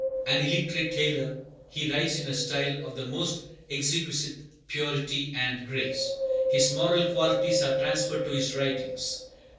An illiterate tailor, he writes in a style of the most exquisite purity and grace. His moral qualities are transferred to his writings.